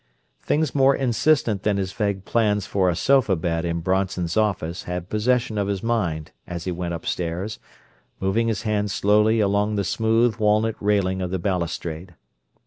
Things more insistent than his vague plans for a sofa bed in Bronson's office had possession of his mind as he went upstairs, moving his hand slowly along the smooth walnut railing of the balustrade.